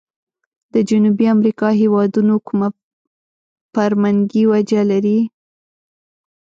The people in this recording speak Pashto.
د جنوبي امريکا هیوادونو کومه فرمنګي وجه لري؟